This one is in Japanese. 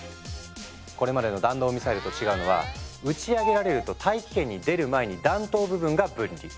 これまでの弾道ミサイルと違うのは打ち上げられると大気圏に出る前に弾頭部分が分離。